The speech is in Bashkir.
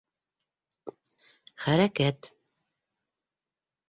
Хәрәкәт.